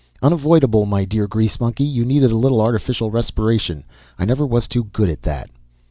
"Unavoidable, my dear grease monkey. You needed a little artificial respiration; I never was too good at that."